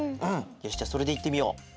よしじゃあそれでいってみよう。